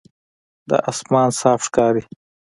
دا آسمان صاف ښکاري.